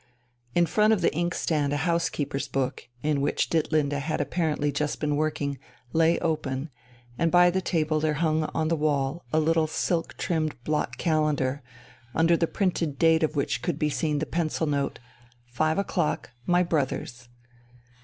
In front of the inkstand a housekeeper's book, in which Ditlinde had apparently just been working, lay open, and by the table there hung on the wall a little silk trimmed block calendar, under the printed date of which could be seen the pencil note: "5 o'clock: my brothers."